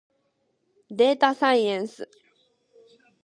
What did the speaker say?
でーたさいえんす。